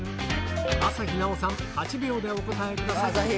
朝日奈央さん８秒でお答えください！